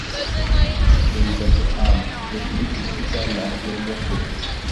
এই জাতের আম দেখতে কিছুটা নাকের মতো।